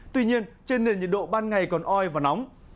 tuy nhiên trên nền nhiệt độ ban ngày còn oi và nóng